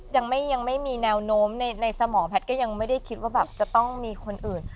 ยังไม่มีแนวโน้มในสมองแพทย์ก็ยังไม่ได้คิดว่าแบบจะต้องมีคนอื่น